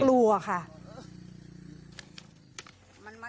กลัวก่ะ